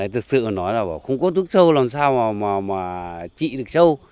thực sự là nói là không có thuốc sâu làm sao mà trị được sâu